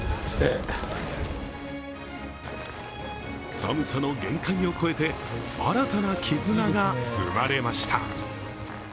寒さの限界を超えて新たな絆が生まれました。